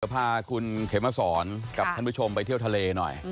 พาคุณเขมสอนกับท่านผู้ชมไปเที่ยวทะเลหน่อย